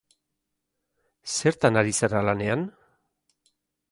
Zertan ari zara lanean?